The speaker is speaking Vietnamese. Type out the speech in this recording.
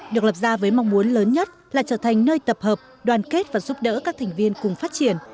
được lập ra với mong muốn lớn nhất là trở thành nơi tập hợp đoàn kết và giúp đỡ các thành viên cùng phát triển